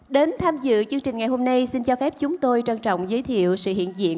đến tham dự chương trình ngày hôm nay xin cho phép chúng tôi trân trọng giới thiệu sự hiện diện